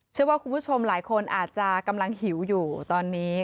เชื่อว่าคุณผู้ชมหลายคนอาจจะกำลังหิวอยู่ตอนนี้